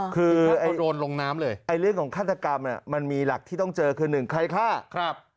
คือเรื่องของฆาตกรรมมันมีหลักที่ต้องเจอคือหนึ่งใครฆ่า